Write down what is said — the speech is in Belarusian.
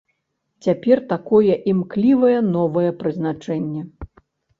Цяпер такое імклівае новае прызначэнне.